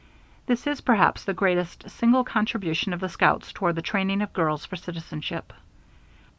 This is perhaps the greatest single contribution of the scouts toward the training of girls for citizenship.